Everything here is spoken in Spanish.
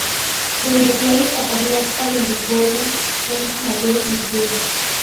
Su velocidad y capacidad para el desborde son sus mayores virtudes.